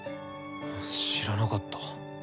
知らなかった。